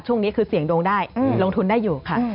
ช่วงนี้คือเสี่ยงดวงได้ลงทุนได้อยู่ค่ะ